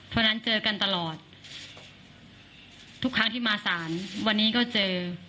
เพราะฉะนั้นเจอกันตลอดทุกครั้งที่มาศาลวันนี้ก็เจอ